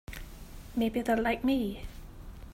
Maybe they're like me.